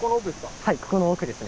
はいここの奥ですね。